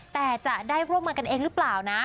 แต่จะได้ร่วมมือกันเองหรือเปล่านะ